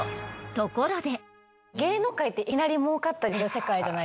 ところで。